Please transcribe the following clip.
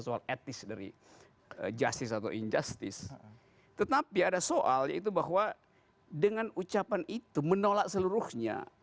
soal etis dari justice atau injustice tetapi ada soal yaitu bahwa dengan ucapan itu menolak seluruhnya